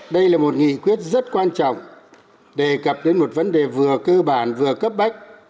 đây là một nghị quyết rất quan trọng đề cập đến một vấn đề vừa cơ bản vừa cấp bách